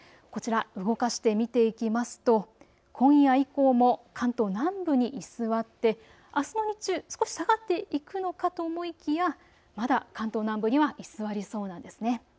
こちら、動かして見ていきますと今夜以降も関東南部に居座ってあすの日中、少し下がっていくのかと思いきやまだ関東南部には居座りそうなんです。